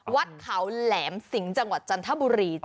วัดเขาแหลมสิงห์จังหวัดจันทบุรี